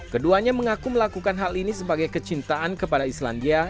keduanya mengaku melakukan hal ini sebagai kecintaan kepada islandia